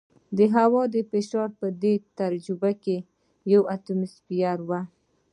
د هوا فشار په دې تجربه کې یو اټموسفیر وي.